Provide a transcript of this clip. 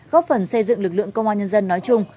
góp phần xây dựng lực lượng công an nhân dân nói chung